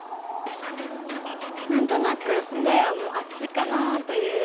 何となく答えはもうあっちかなという。